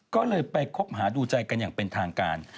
ก็เลยไปคบหาดูใจกันอย่างเป็นทางการ